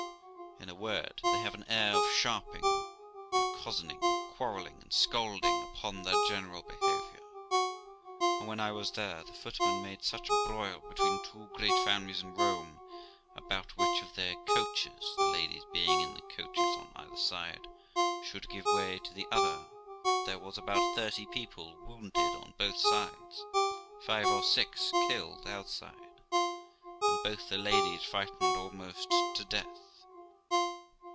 In a word, they have an air of sharping and cozen ing, quarrelling and scolding, upon their general behaviour ; and, when I was there, the footmen made such a broil between two great families in Rome, about which of their coaches (the ladies being in the coaches on either side) should give way to the other, that there was about thirty people wounded on both sides, five or six killed outside, and both the ladies frighted almost to death.